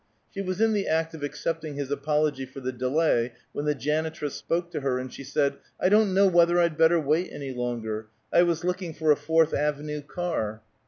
She was in the act of accepting his apology for the delay when the janitress spoke to her, and she said: "I don't know whether I'd better wait any longer. I was looking for a Fourth Avenue car."